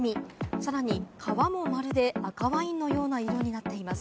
さらに川もまるで赤ワインのような色になっています。